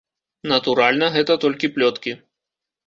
Натуральна, гэта толькі плёткі.